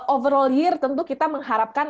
overall year tentu kita mengharapkan